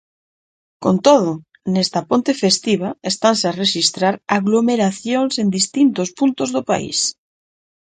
Con todo, nesta ponte festiva estanse a rexistrar aglomeracións en distintos puntos do país.